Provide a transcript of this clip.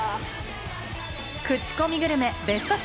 クチコミグルメ、ベスト３！